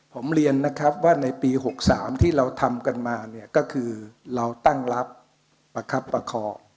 ผมเรียนว่าในปี๖๓ที่เราทำกันมาก็คือเราตั้งรับประคับประคอ